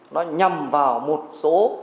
nó nhầm vào một số